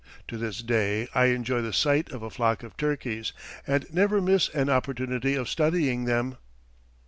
To this day I enjoy the sight of a flock of turkeys, and never miss an opportunity of studying them.